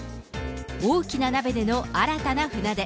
大きな鍋での新たな船出。